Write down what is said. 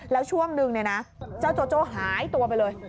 แล้วช่วงนึงเจ้าโจโจ้หายตัวไปเลย